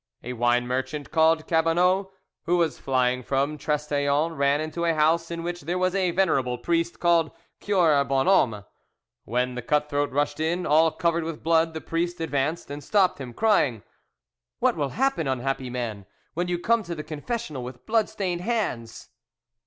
A wine merchant called Cabanot, who was flying from Trestaillons, ran into a house in which there was a venerable priest called Cure Bonhomme. When the cut throat rushed in, all covered with blood, the priest advanced and stopped him, crying: "What will happen, unhappy man, when you come to the confessional with blood stained hands?"